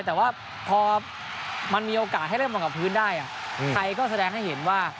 แต่ว่าพอมันมีโอกาสให้เริ่มลงกับพื้นได้ไทยก็แสดงให้เห็นว่า